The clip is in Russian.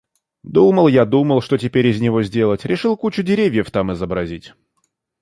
Думал я, думал, что теперь из него сделать, решил кучу деревьев там изобразить...